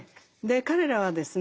彼らはですね